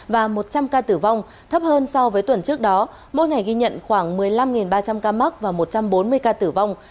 và một trăm linh ca tử vong thấp hơn so với tuần trước đó mỗi ngày ghi nhận khoảng một mươi năm ba trăm linh ca mắc và một trăm bốn mươi ca tử vong